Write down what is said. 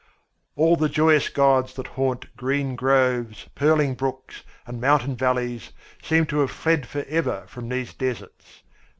All the joyous gods that haunt green groves, purling brooks, and mountain valleys seemed to have fled forever from these deserts.